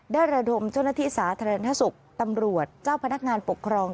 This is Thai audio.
ระดมเจ้าหน้าที่สาธารณสุขตำรวจเจ้าพนักงานปกครอง